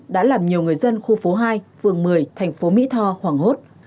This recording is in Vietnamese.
đã làm nhiều người dân khu phố hai phường một mươi thành phố mỹ tho hoảng hốt